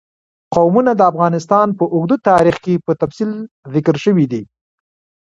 قومونه د افغانستان په اوږده تاریخ کې په تفصیل ذکر شوی دی.